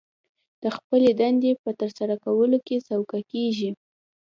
د خپلې دندې په ترسره کولو کې سوکه کېږي